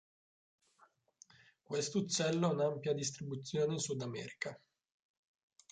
Questo uccello ha un'ampia distribuzione in Sud America.